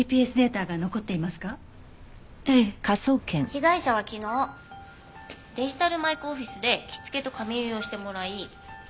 被害者は昨日デジタル舞子オフィスで着付けと髪結いをしてもらい。